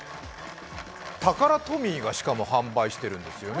タカラトミーがしかも販売してるんですよね。